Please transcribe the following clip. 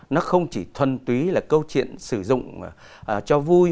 nó không chỉ thuần túy là câu chuyện sử dụng cho vui